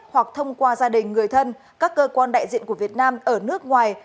hoặc thông qua gia đình người thân các cơ quan đại diện của việt nam ở nước ngoài